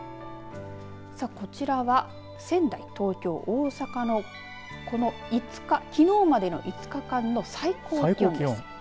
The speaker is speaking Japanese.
こちらは仙台、東京、大阪のこの５日、きのうまでの５日間の最高気温です。